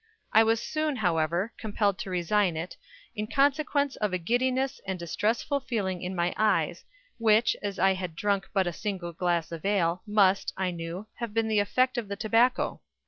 I was soon, however, compelled to resign it, in consequence of a giddiness and distressful feeling in my eyes, which, as I had drunk but a single glass of ale, must, I knew, have been the effect of the tobacco.